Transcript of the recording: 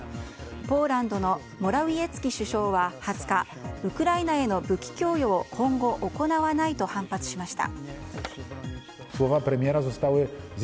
ポーランドのモラウィエツキ首相は２０日ウクライナへの武器供与を今後、行わないと反発しました。